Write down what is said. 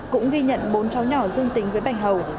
cũng ghi nhận bốn cháu nhỏ dương tính với bạch hầu